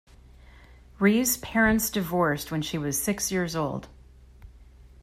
Rees' parents divorced when she was six years old.